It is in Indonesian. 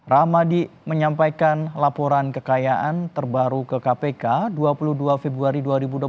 ramadi menyampaikan laporan kekayaan terbaru ke kpk dua puluh dua februari dua ribu dua puluh tiga